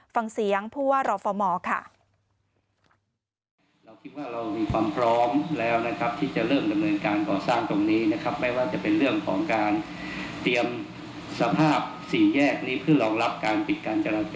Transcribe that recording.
ฟังเสียงพูดว่ารอฟอร์มอร์ค่ะ